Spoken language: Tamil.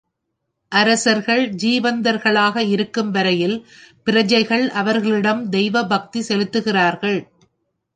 அரசர்கள் ஜீவந்தர்களாக இருக்கும் வரையில் பிரஜைகள் அவர்களிடம் தேவபக்தி செலுத்துகிறார்கள்.